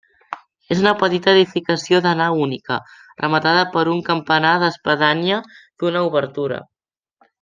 És una petita edificació de nau única, rematada per un campanar d'espadanya d'una obertura.